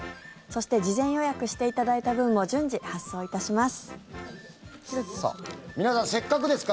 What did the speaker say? そして事前予約していただいた分も順次発送いたします。